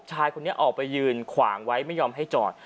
ชายคนนี้ออกไปยืนขวางไว้ไม่ยอมให้จอด